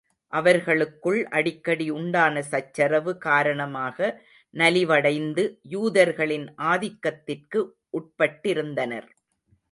அவர்களுக்குள் அடிக்கடி உண்டான சச்சரவு காரணமாக நலிவடைந்து, யூதர்களின் ஆதிக்கத்திற்கு உட்பட்டிருந்தனர்.